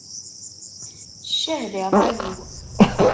Ccah di ṛṛay-iw!